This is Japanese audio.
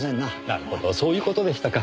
なるほどそういう事でしたか。